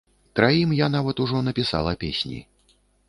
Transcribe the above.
Траім я нават ужо напісала песні.